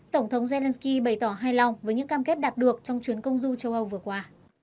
tổng thống zelenskyy bày tỏ hài lòng với những cam kết đạt được trong chuyến công du châu âu vừa qua